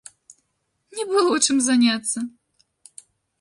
Не было чым заняцца!